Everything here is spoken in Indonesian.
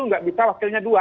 nggak bisa wakilnya dua